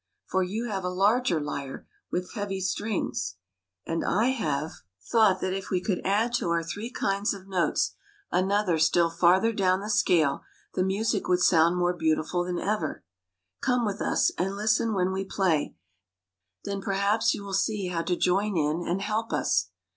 For you have a larger lyre, with heavy strings, and I have 85 THE PALACE MADE BY MUSIC thought that if we could add to our three kinds of notes another still farther down the scale, the music would sound more beautiful than ever. Come with ns, and listen when we play; then perhaps you will see how to join in and help us."